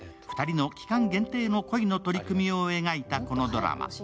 ２人の期間限定の恋の取り組みを描いたこのドラマ。